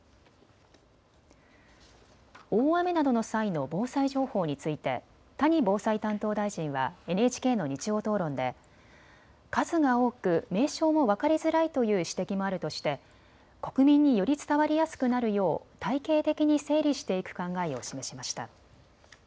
大雨などの際の防災情報について谷防災担当大臣はＮＨＫの日曜討論で数が多く名称も分かりづらいという指摘もあるとして国民により伝わりやすくなるよう体系的に整理していく考えを示しました。